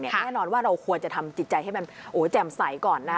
แน่นอนว่าเราควรจะทำจิตใจให้มันแจ่มใสก่อนนะ